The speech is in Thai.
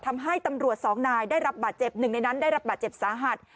ทำให้ตำรวจสองนายได้รับบาดเจ็บหนึ่งในนั้นได้รับบาดเจ็บสาหัส